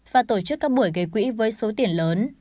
và tổ chức các buổi gây quỹ với số tiền lớn